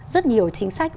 rất nhiều chính sách